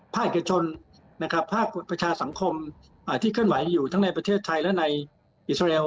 เอกชนนะครับภาคประชาสังคมที่เคลื่อนไหวอยู่ทั้งในประเทศไทยและในอิสราเอล